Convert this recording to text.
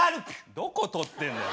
どことってんだよ。